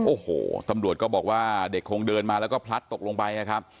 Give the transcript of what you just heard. โอ้โหตำรวจก็บอกว่าเด็กคงเดินมาแล้วก็พลัดตกลงไปนะครับ